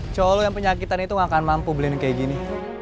cowok yang penyakitan itu gak akan mampu beliin kayak gini